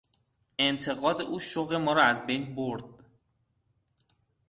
انتقاد او شوق ما را از بین برد.